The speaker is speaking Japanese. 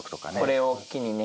これを機にね